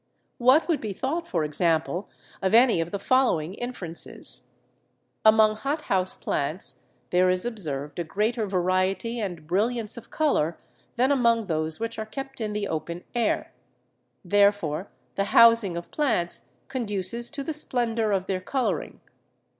What would be thought, for example, of any of the following inferences?—Among hot house plants there is observed a greater variety and brilliance of colour than among those which are kept in the open air; therefore the housing of plants conduces to the splendour of their colouring.